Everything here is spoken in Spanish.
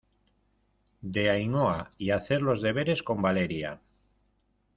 de Ainhoa y hacer los deberes con Valeria.